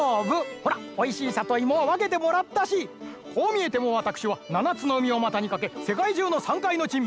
ほらおいしいさといもはわけてもらったしこうみえてもわたくしはななつのうみをまたにかけせかいじゅうのさんかいのちんみ